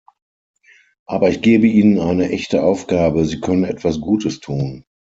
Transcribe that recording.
Aber ich gebe Ihnen eine echte Aufgabe, Sie könnten etwas Gutes tun.